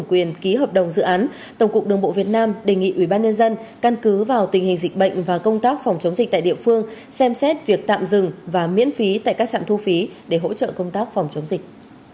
cụ thể tổng cục đường bộ việt nam yêu cầu các nhà đầu tư doanh nghiệp dự án bot các đơn vị cung cấp dịch vụ thu phí trở lại ngay sau khi hết thời gian giãn cách